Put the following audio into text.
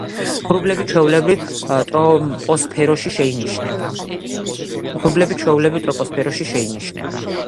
ღრუბლები ჩვეულებრივ ტროპოსფეროში შეინიშნება.